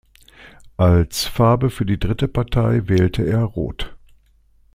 Als Farbe für die dritte Partei wählte er rot.